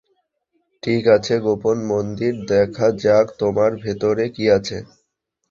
ঠিক আছে, গোপন মন্দির, দেখা যাক তোমার ভিতরে কী আছে।